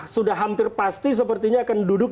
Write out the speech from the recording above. sudah hampir pasti sepertinya akan duduk